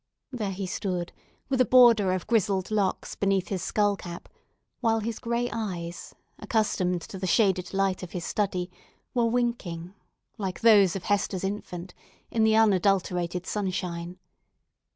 There he stood, with a border of grizzled locks beneath his skull cap, while his grey eyes, accustomed to the shaded light of his study, were winking, like those of Hester's infant, in the unadulterated sunshine.